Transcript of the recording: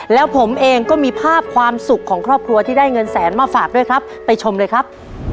แล้วผมเองก็มีภาพความสุขของครอบครัวที่ได้เงินแสนมาฝากด้วยครับไปชมเลยครับ